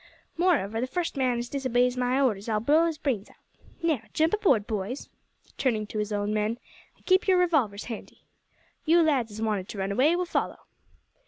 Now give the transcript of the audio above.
Moreover, the first man as disobeys my orders I'll blow his brains out. Now, jump aboard, boys (turning to his own men), an' keep your revolvers handy. You lads as wanted to run away will follow."